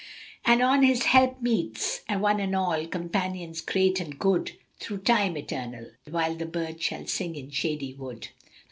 And on his helpmeets [FN#262] one and all, Companions great and good, * Through time Eternal while the bird shall sing in shady wood!"